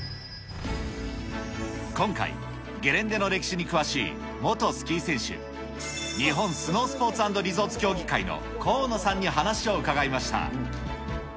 今回、ゲレンデの歴史に詳しい元スキー選手、日本スノースポーツ＆リゾーツ協議会の河野さんに話を伺いました。